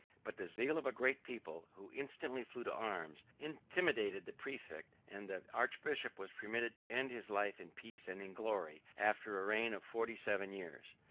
But the zeal of a great people, who instantly flew to arms, intimidated the præfect: and the archbishop was permitted to end his life in peace and in glory, after a reign of forty seven years.